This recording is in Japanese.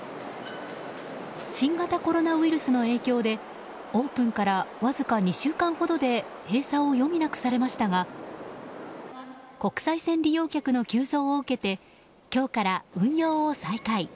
新型コロナウイルスの影響でオープンからわずか２週間ほどで閉鎖を余儀なくされましたが国際線利用客の急増を受けて今日から運用を再開。